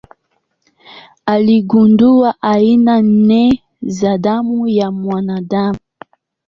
Aligundua aina nne za damu ya mwanadamu.